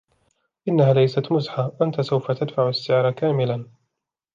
إنها ليست مزحة. أنتَ سوف تدفع السعر كاملاً.